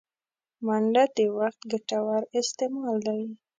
منډه د وخت ګټور استعمال دی